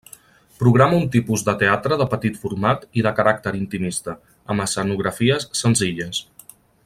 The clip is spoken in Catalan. Programa un tipus de teatre de petit format i de caràcter intimista, amb escenografies senzilles.